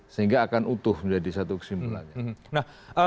sehingga akan utuh menjadi satu kesimpulannya